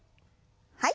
はい。